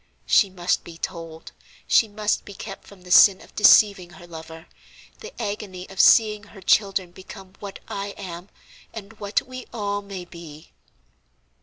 She must be told, she must be kept from the sin of deceiving her lover, the agony of seeing her children become what I am, and what we all may be."